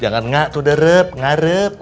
jangan nggak tuderep ngarep